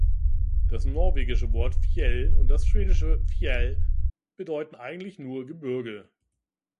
Das norwegische Wort "fjell" und das schwedische "fjäll" bedeuten eigentlich nur „Gebirge“.